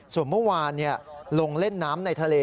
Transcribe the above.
ส่วนเมื่อวานลงเล่นน้ำในทะเล